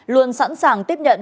luôn sẵn sàng tiếp nhận